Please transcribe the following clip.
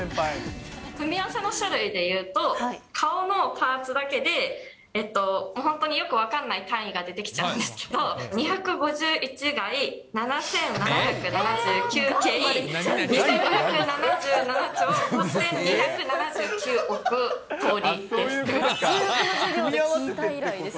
組み合わせの種類で言うと、顔のパーツだけで、本当によく分かんない単位が出てきちゃうんですけど、２５１垓７７７９京２５７７兆５２７９億通りです。